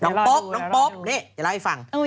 น้องโป๊บน้องโป๊บนี่อย่าเล่าให้ฟัง